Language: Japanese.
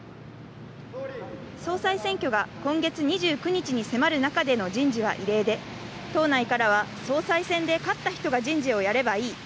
総裁選挙が今月２９日に迫る中での人事は異例で、党内からは総裁選で勝った人が人事をやればいい。